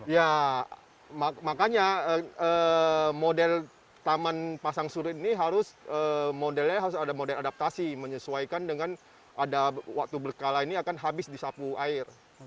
ya makanya model taman pasang surut ini harus modelnya harus ada model adaptasi menyesuaikan dengan ada waktu berkala ini akan habis disapu air